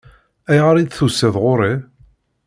Ayɣer i d-tusiḍ ɣur-i?